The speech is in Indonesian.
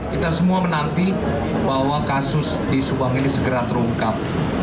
kita semua menanti bahwa kasus di subang ini segera terungkap